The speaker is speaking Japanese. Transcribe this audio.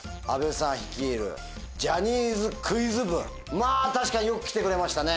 まぁ確かによく来てくれましたね。